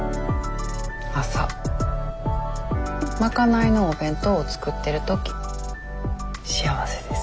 朝賄いのお弁当を作ってる時幸せです。